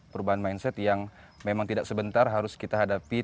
perubahan mindset yang memang tidak sebentar harus kita hadapi